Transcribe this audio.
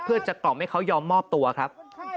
เพื่อจะกล่อมให้เขายอมมอบตัวครับ